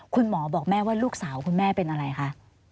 คุณหมอบอกแม่ว่าลูกสาวคุณแม่เป็นอะไรคะ